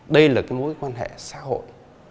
đây là cái mối quan hệ xã hội